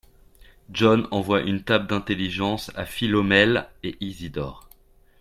John envoie une tape d’intelligence à Philomèle et Isidore.